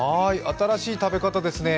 新しい食べ方ですね。